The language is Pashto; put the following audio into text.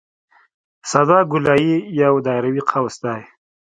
ساده ګولایي یو دایروي قوس دی